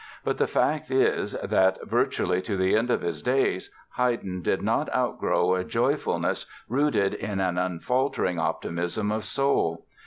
But the fact is that, virtually to the end of his days, Haydn did not outgrow a joyfulness rooted in an unfaltering optimism of soul.